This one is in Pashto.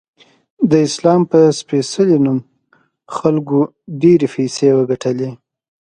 د اسلام په سپیڅلې نوم خلکو ډیرې پیسې وګټلی